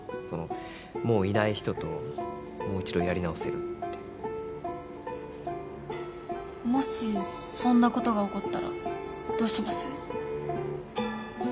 そのもういない人ともう一度やり直せるってもしそんなことが起こったらどうします？